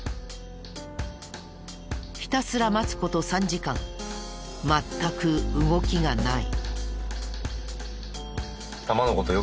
ひたすら待つ事３時間全く動きがない。